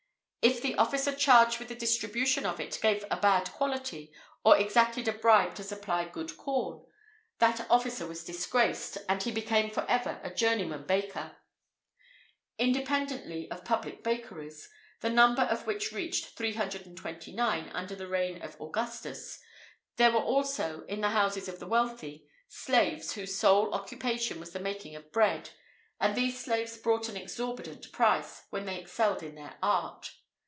If the officer charged with the distribution of it gave a bad quality, or exacted a bribe to supply good corn, that officer was disgraced, and he became forever a journeyman baker.[IV 53] Independently of public bakeries, the number of which reached 329 under the reign of Augustus, there were also, in the houses of the wealthy, slaves whose sole occupation was the making of bread, and these slaves brought an exorbitant price when they excelled in their art.